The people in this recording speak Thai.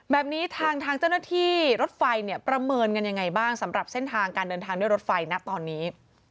แบบนี้ทางเจ้าหน้าที่รถไฟเนี่ยประเมินกันยังไงบ้างสำหรับเส้นทางการเดินทางด้วยรถไฟนะตอนนี้